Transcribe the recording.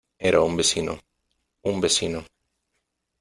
era un vecino ... un vecino .